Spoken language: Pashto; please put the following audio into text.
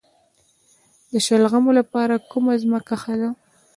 د شلغمو لپاره کومه ځمکه ښه ده؟